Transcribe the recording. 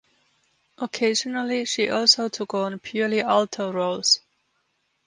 Occasionally she also took on purely alto roles.